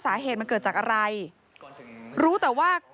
มันมีโอกาสเกิดอุบัติเหตุได้นะครับ